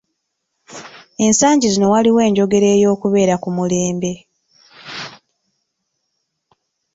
Ensangi zino waliwo enjogera y'okubeera ku mulembe.